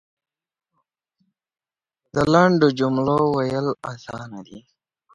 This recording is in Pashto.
د لنډو جملو ویل اسانه دی .